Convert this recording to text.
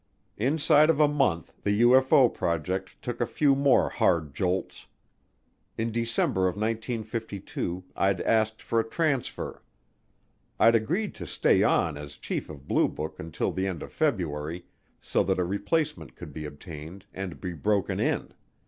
Inside of a month the UFO project took a few more hard jolts. In December of 1952 I'd asked for a transfer. I'd agreed to stay on as chief of Blue Book until the end of February so that a replacement could be obtained and be broken in.